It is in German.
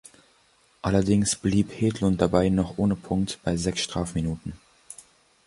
Allerdings blieb Hedlund dabei noch ohne Punkt bei sechs Strafminuten.